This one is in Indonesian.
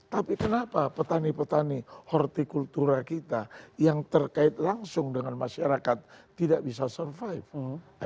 tapi kenapa petani petani hortikultura kita yang terkait langsung dengan masyarakat tidak bisa survive